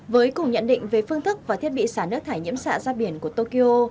với cùng nhận định về phương thức và thiết bị xả nước thải nhiễm xạ ra biển của tokyo